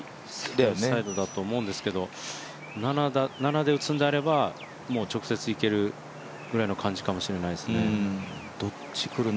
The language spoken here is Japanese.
再度だと思うんですけど、７で打つんであれば直接いけるぐらいの感じかもしれないですね。